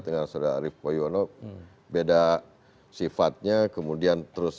dengan saudara arief poyono beda sifatnya kemudian terus